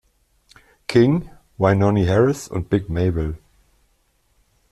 King, Wynonie Harris und Big Maybelle.